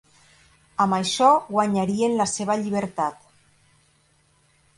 Amb això guanyarien la seva llibertat.